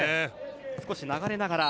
少し流れながら。